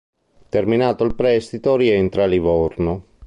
Terminato il prestito rientra a Livorno.